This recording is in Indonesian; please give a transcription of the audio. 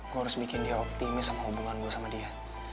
gue harus bikin dia optimis sama hubungan gue sama dia